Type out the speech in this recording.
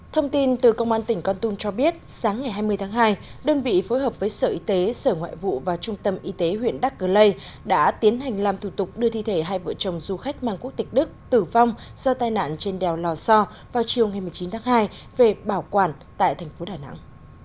thông tin từ công an tỉnh con tum cho biết sáng ngày hai mươi tháng hai đơn vị phối hợp với sở y tế sở ngoại vụ và trung tâm y tế huyện đắc cơ lây đã tiến hành làm thủ tục đưa thi thể hai vợ chồng du khách mang quốc tịch đức tử vong do tai nạn trên đèo lò so vào chiều ngày một mươi chín tháng hai về bảo quản tại thành phố đà nẵng